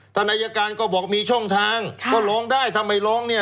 ท่านอายการก็บอกมีช่องทางก็ร้องได้ทำไมร้องเนี่ย